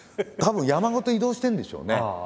たぶん山ごと移動してるんでしょうね。